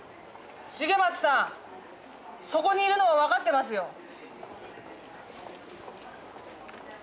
重松さんそこにいるのは分かってますよ。